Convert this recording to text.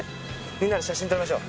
みんなで写真撮りましょう。